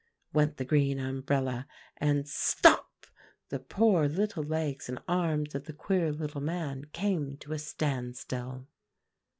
_ went the green umbrella; and stop! the poor little legs and arms of the queer little man came to a standstill.